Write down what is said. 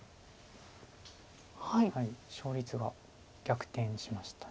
勝率が逆転しました。